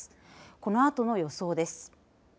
このあとの予想です。